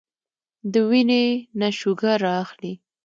د وينې نه شوګر را اخلي